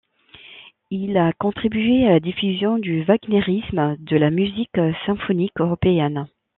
Il a contribué à la diffusion du wagnérisme et de la musique symphonique européenne.